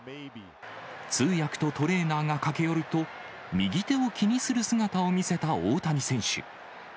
通訳とトレーナーが駆け寄ると、右手を気にする姿を見せた大谷選手。